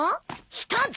一つ。